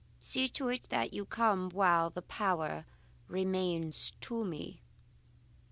See to it that you come while the power remains to me."